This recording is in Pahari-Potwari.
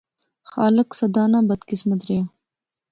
خالق سدا نا بدقسمت ریا